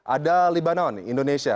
ada libanon indonesia